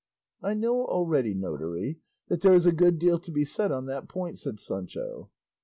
"I know already, notary, that there is a good deal to be said on that point," said Sancho.